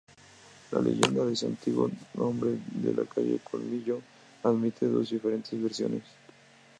La leyenda de su antiguo nombre de "calle del Colmillo", admite dos diferentes versiones.